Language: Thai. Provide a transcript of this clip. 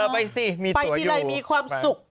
ไปทิลัยมีความสุข